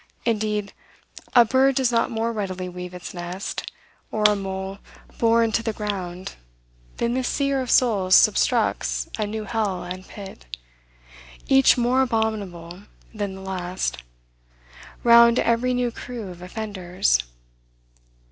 Indeed, a bird does not more readily weave its nest, or a mole bore into the ground, than this seer of souls substructs a new hell and pit, each more abominable than the last, round every new crew of offenders.